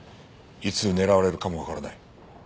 いつ狙われるかもわからない。